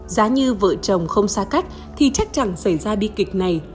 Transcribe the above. giá như vợ chồng không xa cách thì chắc chắn xảy ra bi kịch này